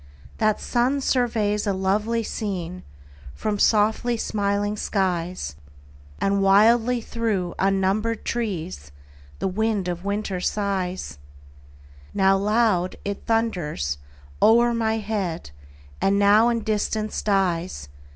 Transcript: That sun surveys a lovely scene From softly smiling skies; And wildly through unnumbered trees The wind of winter sighs: Now loud, it thunders o'er my head, And now in distance dies.